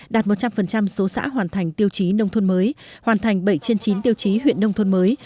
đạt một trăm linh số xã hoàn thành tiêu chí nông thôn mới hoàn thành bảy trên chín tiêu chí huyện nông thôn mới